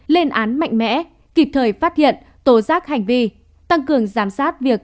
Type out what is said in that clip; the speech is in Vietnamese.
lên án mạnh mẽ kịp thời phát hiện tố giác hành vi tăng cường giám sát việc